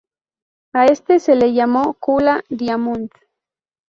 A este se le llamó Kula Diamond.